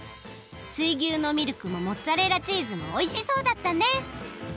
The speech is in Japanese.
水牛のミルクもモッツァレラチーズもおいしそうだったね！